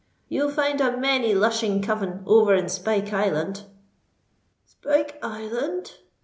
"You'll find a many lushing coven over in Spike Island." "Spike Island?"